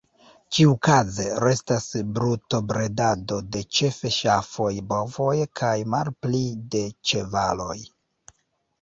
Ĉiukaze restas brutobredado de ĉefe ŝafoj, bovoj, kaj malpli de ĉevaloj.